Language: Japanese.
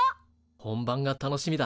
本番が楽しみだ。